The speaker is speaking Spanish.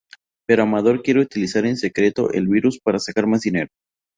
Pero Amador quiere utilizar en secreto el virus para sacar más dinero.